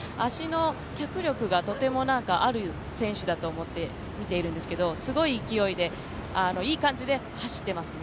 脚力がとてもある選手だと思って見ているんですけど、すごい勢いで、いい感じで走っていますね。